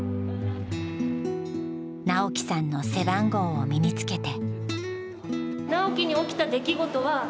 直樹さんの背番号を身につけて。